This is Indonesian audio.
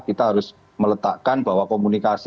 kita harus meletakkan bahwa komunikasi